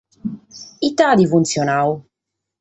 Ite at funtzionadu?